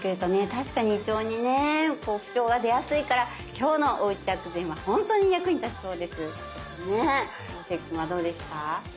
確かに胃腸にね不調が出やすいから今日のおうち薬膳は本当に役に立ちそうです。ね。